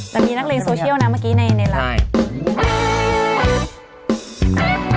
แต่มีนักเลงโซเชียลนะเมื่อกี้ในไลฟ์